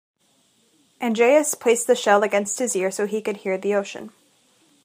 Andreas placed the shell against his ear so he could hear the ocean.